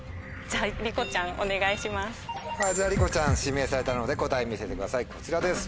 じゃありこちゃん指名されたので答え見せてくださいこちらです。